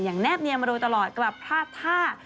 แนบเนียนมาโดยตลอดกลับพลาดท่า